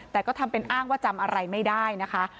แต่ก็ทำเป็นอ้างว่าจำอะไรไม่ได้นะคะ